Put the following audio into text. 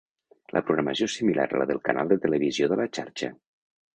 La programació és similar a la del canal de televisió de la xarxa.